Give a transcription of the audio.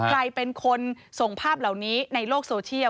ใครเป็นคนส่งภาพเหล่านี้ในโลกโซเชียล